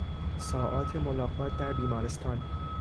ساعات ملاقات در بیمارستان